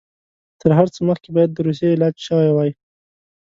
تر هر څه مخکې باید د روسیې علاج شوی وای.